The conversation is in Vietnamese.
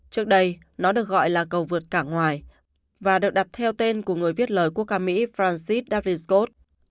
trước đây nó được gọi là cầu vượt cảng ngoài và được đặt theo tên của người viết lời quốc ca mỹ francis davis scott